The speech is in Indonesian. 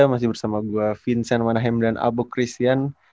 masih bersama gue vincent manahem dan albo christian